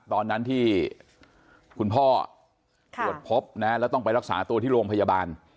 ตอนนั้นที่คุณพ่อตรวจพบนะแล้วต้องไปรักษาตัวที่โรงพยาบาล